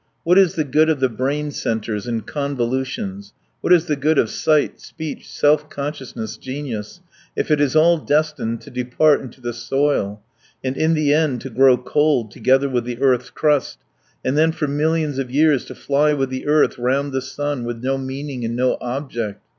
What is the good of the brain centres and convolutions, what is the good of sight, speech, self consciousness, genius, if it is all destined to depart into the soil, and in the end to grow cold together with the earth's crust, and then for millions of years to fly with the earth round the sun with no meaning and no object?